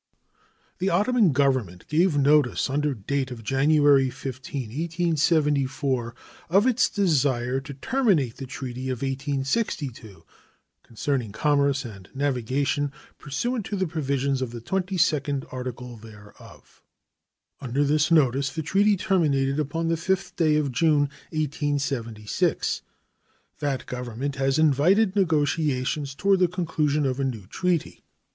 The Ottoman Government gave notice, under date of January 15, 1874, of its desire to terminate the treaty of 1862, concerning commerce and navigation, pursuant to the provisions of the twenty second article thereof. Under this notice the treaty terminated upon the 5th day of June, 1876. That Government has invited negotiations toward the conclusion of a new treaty.